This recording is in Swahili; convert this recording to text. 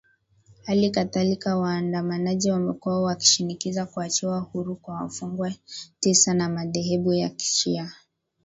hali kadhalika waandamanaji wamekuwa wakishinikiza kuachiwa huru kwa wafungwa tisa wa madhehebu ya kishia